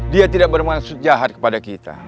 dia tidak bermaksud jahat kepada kita